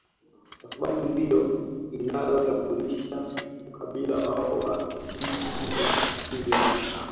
Kwasababu ndio inayotambulisha ukabila wao wa nchi na asili yao